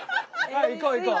はい行こう行こう。